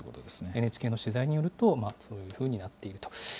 ＮＨＫの取材によると、そういうふうになっていると。